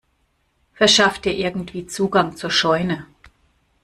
Verschaff dir irgendwie Zugang zur Scheune!